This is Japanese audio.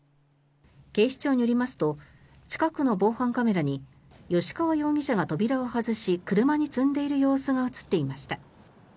警視庁によりますと近くの防犯カメラに吉川容疑者が扉を外し車に積んでいる様子が映っていました。